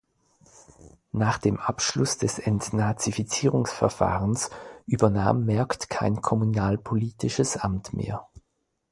Nach dem Abschluss des Entnazifizierungsverfahrens übernahm Merkt kein kommunalpolitisches Amt mehr.